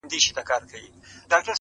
په خندا کي یې و زوی ته و ویله,